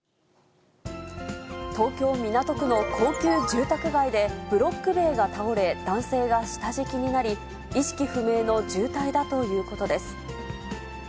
東京・港区の高級住宅街でブロック塀が倒れ、男性が下敷きになり、意識不明の重体だということです。